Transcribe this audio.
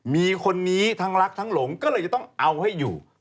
มีคนนี้ทั้งรักทั้งหลงก็เลยจะต้องเอาให้อยู่